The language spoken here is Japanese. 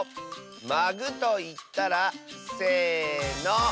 「まぐ」といったら？せの。